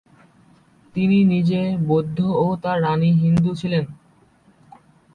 তিনি নিজে বৌদ্ধ ও তার রাণী হিন্দু ছিলেন।